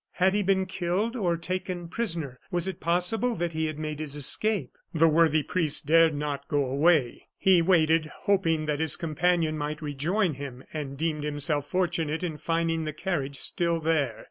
Had he been killed or taken prisoner? Was it possible that he had made his escape? The worthy priest dared not go away. He waited, hoping that his companion might rejoin him, and deemed himself fortunate in finding the carriage still there.